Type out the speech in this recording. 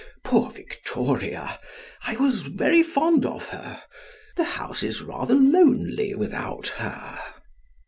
Poor Victoria! I was very fond of her. The house is rather lonely without her."